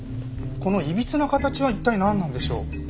このいびつな形は一体なんなんでしょう？